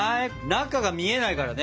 中が見えないからね。